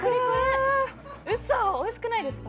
あ嘘おいしくないですか？